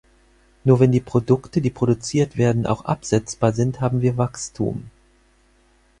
Nur wenn die Produkte, die produziert werden, auch absetzbar sind, haben wir Wachstum.